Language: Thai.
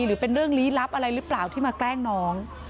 หรือเป็นเรื่องลี้ลับอะไรหรือเปล่าที่มาแกล้งน้อง